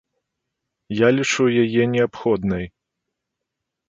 Я лічу яе неабходнай.